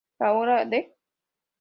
La hora de...